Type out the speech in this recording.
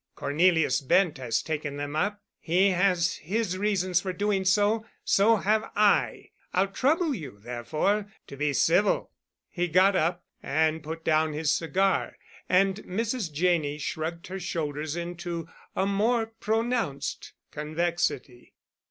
Cornelius Bent has taken them up. He has his reasons for doing so. So have I. I'll trouble you, therefore, to be civil." He got up and put down his cigar, and Mrs. Janney shrugged her shoulders into a more pronounced convexity.